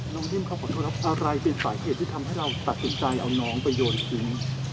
น้องนิ่มเขาขอโทษนะอะไรเป็นสายเหตุที่ทำให้เราตัดสินใจเอาน้องไปโยนชิ้น